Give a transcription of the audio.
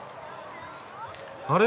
あれ？